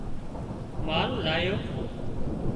مال آليو